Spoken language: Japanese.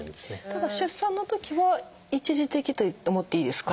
ただ出産のときは一時的と思っていいですか？